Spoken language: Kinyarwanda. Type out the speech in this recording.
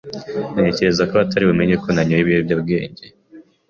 ntekereza ko batari bumenye ko nanyoye ibiyobyabwenge.